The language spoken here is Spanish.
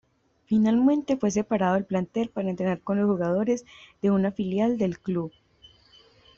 Finalmente, fue separado del plantel para entrenar con jugadores de una filial del club.